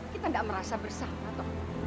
kita gak merasa bersama tok